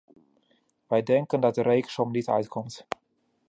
Wij denken dat de rekensom niet uitkomt.